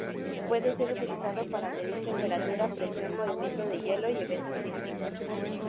Puede ser utilizado para medir temperatura, presión, movimiento del hielo, y eventos sísmicos.